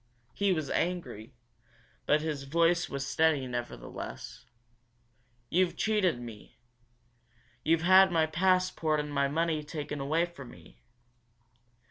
He was angry, but his voice was steady nevertheless. "You've cheated me. You've had my passport and my money taken from me.